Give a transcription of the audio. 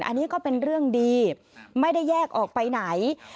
อันนี้ก็เป็นเรื่องดีไม่ได้แยกออกไปไหน